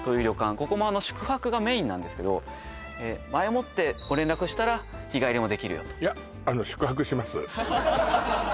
ここも宿泊がメインなんですけど前もってご連絡したら日帰りもできるよといや宿泊します